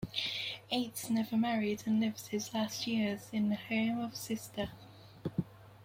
Eights never married and lived his last years in the home of a sister.